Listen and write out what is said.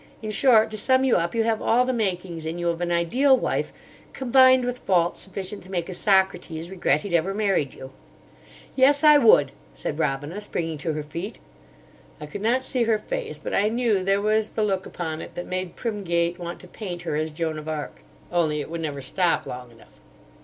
In short, to sum you up, you have all the makings in you of an ideal wife combined with faults sufficient to make a Socrates regret he'd ever married you.'" "Yes, I would!" said Robina, springing to her feet. I could not see her face, but I knew there was the look upon it that made Primgate want to paint her as Joan of Arc; only it would never stop long enough.